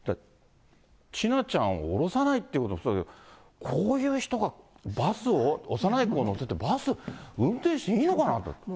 千奈ちゃんを降ろさないってこともそうですけど、こういう人がバスを、幼い子を乗せてバスを運転していいのかなって。